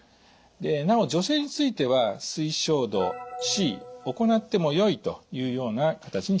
なお女性については推奨度Ｃ行ってもよいというような形にしています。